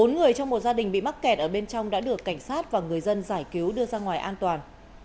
bốn người trong một gia đình bị mắc kẹt ở bên trong đã được cảnh sát và người dân giải cứu đưa ra ngoài an toàn